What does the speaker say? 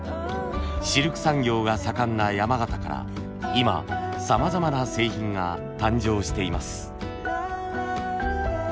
シルク産業が盛んな山形から今さまざまな製品が誕生しています。